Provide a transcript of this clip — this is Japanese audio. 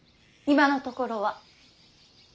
今のところは。